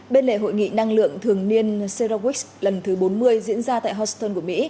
bên lệ hội nghị năng lượng thường niên cerawix lần thứ bốn mươi diễn ra tại houston của mỹ